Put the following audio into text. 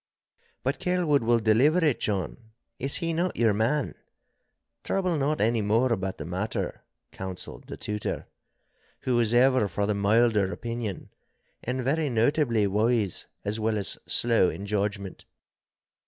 'But Kelwood will deliver it, John. Is he not your man? Trouble not any more about the matter,' counselled the Tutor, who was ever for the milder opinion, and very notably wise as well as slow in judgment.